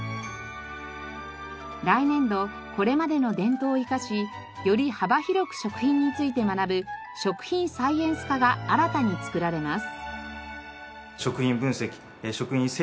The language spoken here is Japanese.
来年度これまでの伝統を生かしより幅広く食品について学ぶ食品サイエンス科が新たに作られます。